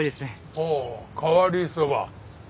ほう変わりそば。